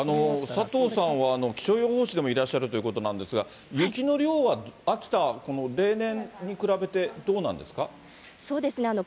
佐藤さんは気象予報士でもいらっしゃるということなんですが、雪の量は秋田は、例年に比べてどうなんですか。